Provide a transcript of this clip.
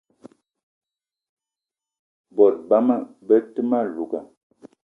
Bot bama be te ma louga